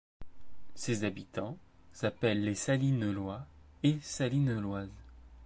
Ses habitants s'appellent les Salinellois et Salinelloises.